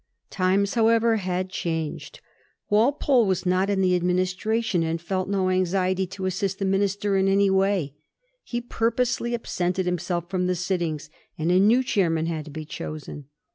Times, however, had changed. Walpole was not in the administration, and felt no anxiety to assist the ministry in any way. He purposely absented him* self from the sittings, and a new chairman had to be chosen.